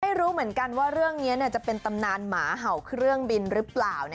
ไม่รู้เหมือนกันว่าเรื่องนี้จะเป็นตำนานหมาเห่าเครื่องบินหรือเปล่า